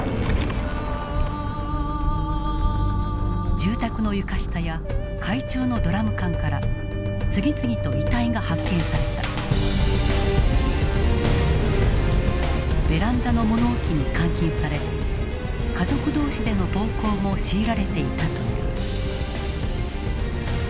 住宅の床下や海中のドラム缶からベランダの物置に監禁され家族同士での暴行も強いられていたという。